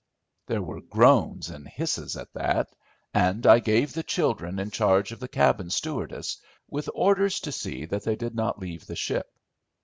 There were groans and hisses at that, and I gave the children in charge of the cabin stewardess, with orders to see that they did not leave the ship.